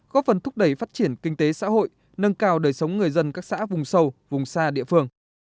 góp phần thúc đẩy phát triển kinh tế xã hội nâng cao đời sống người dân các xã vùng sâu vùng xa địa phương